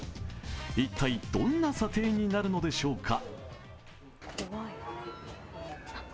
一体、どんな査定になるのでしょうか。